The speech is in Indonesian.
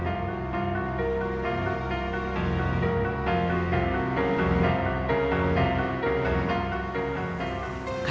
kayanya anak buah mangdasete tinggal menunggu perintah